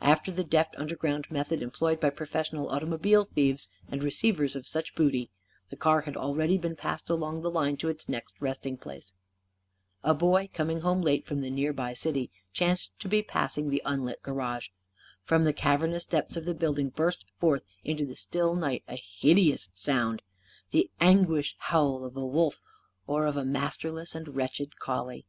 After the deft underground method employed by professional automobile thieves and receivers of such booty, the car had already been passed along the line to its next resting place. A boy, coming home late from the near by city, chanced to be passing the unlit garage. From the cavernous depths of the building burst forth into the still night a hideous sound the anguish howl of a wolf or of a masterless and wretched collie.